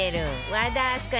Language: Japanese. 和田明日香